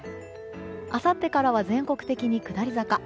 あさってからは全国的に下り坂。